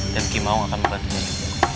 dan kimau akan membantu dia